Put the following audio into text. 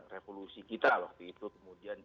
revolusi kita waktu itu kemudian